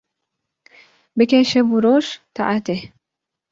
Bike şev û roj taetê